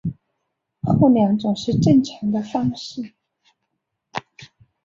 后两种是正常的方式。